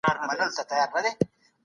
ژوند له کړاوونو ډک یو اوږد سفر دی.